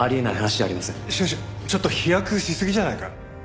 しかしちょっと飛躍しすぎじゃないか？